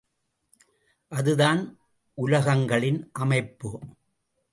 அதுதான் உலகங்களின் அமைப்பு.